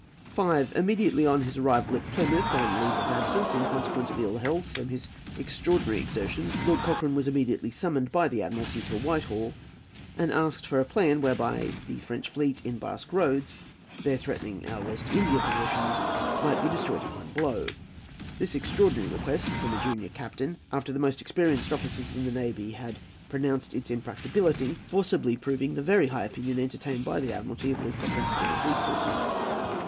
5. Immediately on his arrival at Plymouth, on leave of absence in consequence of ill health from his extraordinary exertions, Lord Cochrane was immediately summoned by the Admiralty to Whitehall, and asked for a plan whereby the French fleet in Basque Roads, then threatening our West India possessions, might be destroyed at one blow; this extraordinary request from a junior captain, after the most experienced officers in the navy had pronounced its impracticability, forcibly proving the very high opinion entertained by the Admiralty of Lord Cochrane's skill and resources.